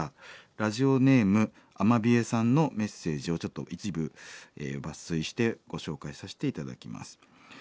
ラジオネームアマビエさんのメッセージをちょっと一部抜粋してご紹介させて頂きます。